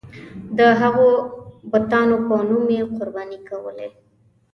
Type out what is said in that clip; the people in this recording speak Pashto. د هغو بتانو په نوم یې قرباني کولې.